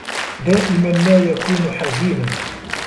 دائمًا ما يكون حزينًا.